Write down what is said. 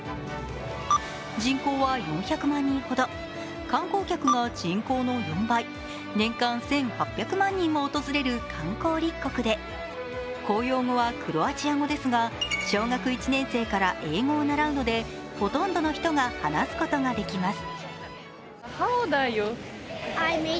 人口は４００万人ほど、観光客が人口の４倍、年間１８００万人も訪れる観光立国で公用語はクロアチア語ですが小学１年生から英語を習うのでほとんどの人が話すことができます。